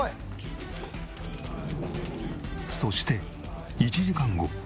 そして１時間後。